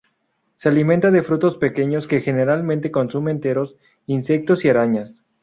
Se alimenta de frutos pequeños que generalmente consume enteros, insectos y arañas.